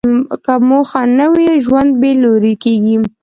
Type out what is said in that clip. که موخه نه وي، ژوند بېلوري کېږي.